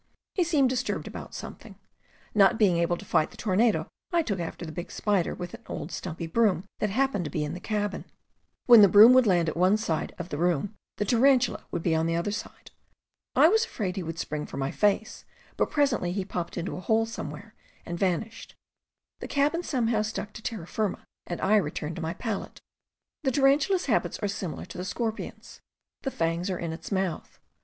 He seemed disturbed about something. Not being able to fight the tornado, I took after the big spider with an old stumpy broom that happened to be in the cabin. When the broom would land at one side of the room, the tarantula would be on the other side. I was afraid he would spring for my face, but presently he popped into a hole somewhere, and vanished. The cabin somehow stuck to terra firma, and I returned to my pallet. The tarantula's habits are similar to the scorpion's. The fangs are in its mouth.